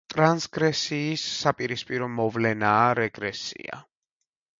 ტრანსგრესიის საპირისპირო მოვლენაა რეგრესია.